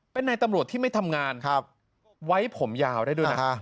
เป็นนายตำรวจที่ไม่ทำงานครับไว้ผมยาวได้ดูนะอ่าฮะ